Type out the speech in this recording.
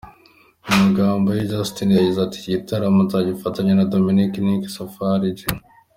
Mu magabo ye Justin yagize ati « Icyi gitaramo nzafatanya na Dominic Nic, Safari J.